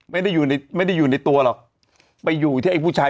ไม่ได้อยู่ในไม่ได้อยู่ในตัวหรอกไปอยู่ที่ไอ้ผู้ชาย